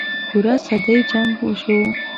پوره صدۍ جـنګ وشو.